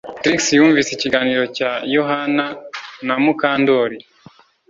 Trix yumvise ikiganiro cya Yohana na Mukandoli